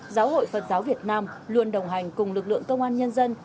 giáo hội phật giáo việt nam luôn đồng hành cùng lực lượng công an nhân dân